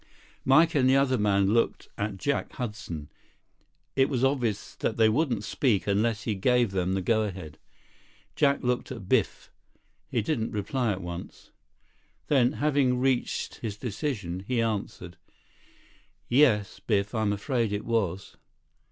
Mike and the other man looked at Jack Hudson. It was obvious that they wouldn't speak unless he gave them the go ahead. Jack looked at Biff. He didn't reply at once. Then, having reached his decision, he answered. "Yes, Biff. I'm afraid it was."